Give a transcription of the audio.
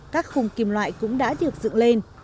các khung kim loại cũng đã được dựng lên